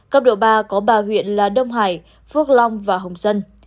cấp độ ba có ba huyện là đông hải phước long và hồng dân